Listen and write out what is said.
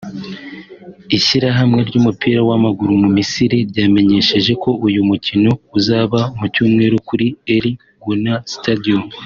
Ishyirahamwe ry’umupira w’amaguru mu Misiri ryamenyesheje ko uyu mukino uzaba ku Cyumweru kuri El Gounah stadium